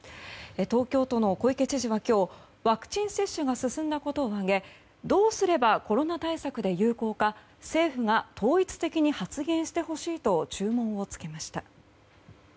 東京都の小池知事は今日ワクチン接種が進んだことを挙げどうすればコロナ対策で有効か政府が統一的に発言してほしいと注文を付けました。